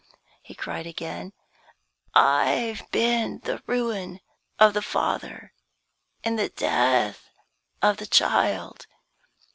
he cried again; "I've been the ruin of the father and the death of the child.